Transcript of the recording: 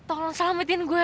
oh energi penuh